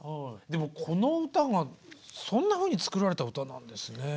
でもこの歌がそんなふうに作られた歌なんですね。